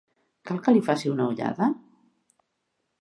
Cal que li faci una ullada?